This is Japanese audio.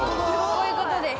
こういう事です。